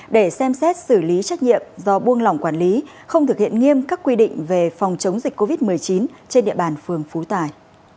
để xem xét xử lý trách nhiệm do buông lỏng quản lý không thực hiện nghiêm các quy định về phòng chống dịch covid một mươi chín trên địa bàn phường phú tài